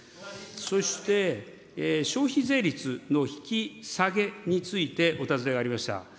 そして、消費税率の引き下げについてお尋ねがありました。